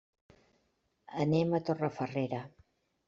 Anem a Torrefarrera.